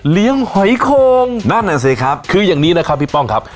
หอยโคงนั่นน่ะสิครับคืออย่างนี้นะครับพี่ป้องครับ